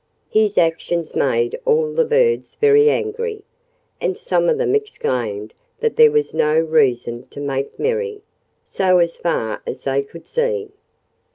His actions made all the birds very angry. And some of them exclaimed that there was no reason to make merry, so far as they could see.